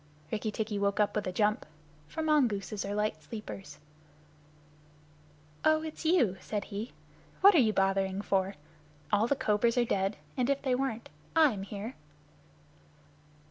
Rikki tikki woke up with a jump, for the mongooses are light sleepers. "Oh, it's you," said he. "What are you bothering for? All the cobras are dead. And if they weren't, I'm here."